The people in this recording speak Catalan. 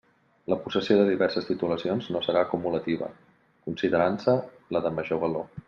La possessió de diverses titulacions no serà acumulativa, considerant-se la de major valor.